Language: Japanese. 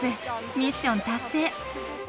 ミッション達成。